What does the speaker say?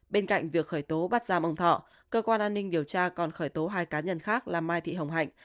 bên cạnh việc khởi tố bắt giam ông thọ cơ quan an ninh điều tra còn khởi tố hai cá nhân khác là mai thị hồng hạnh